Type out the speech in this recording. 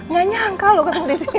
nggak nyangka lo ketemu disini